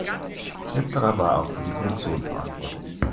Letzterer war auch für die Produktion verantwortlich.